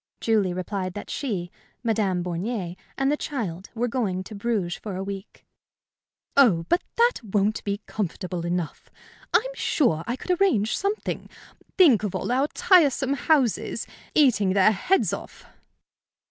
Julie replied that she, Madame Bornier, and the child were going to Bruges for a week. "Oh, but that won't be comfortable enough! I'm sure I could arrange something. Think of all our tiresome houses eating their heads off!"